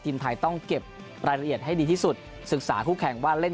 ทีมไทยต้องเก็บรายละเอียดให้ดีที่สุดศึกษาคู่แข่งว่าเล่น